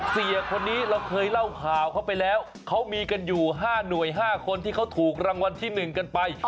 เสียคนนี้เราเคยเล่าข่าวเข้าไปแล้วเขามีกันอยู่๕หน่วย๕คนที่เขาถูกรางวัลที่๑กันไป